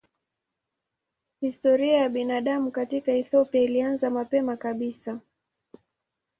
Historia ya binadamu katika Ethiopia ilianza mapema kabisa.